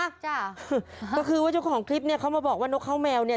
จ้ะก็คือว่าเจ้าของคลิปเนี้ยเขามาบอกว่านกข้าวแมวเนี่ย